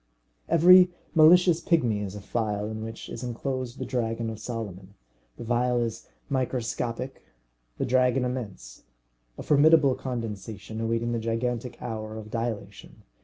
Every malicious pigmy is a phial in which is enclosed the dragon of Solomon. The phial is microscopic, the dragon immense. A formidable condensation, awaiting the gigantic hour of dilation!